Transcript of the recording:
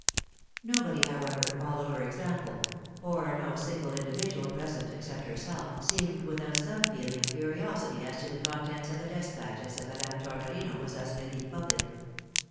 Nobody, however, followed her example ; for no single individual present, except herself, seemed without some feeling of curiosity as to the contents of the despatches that Madame Tornorino was thus making public.